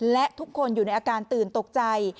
และทุกคนอยู่ในอาการตื่นตกใจ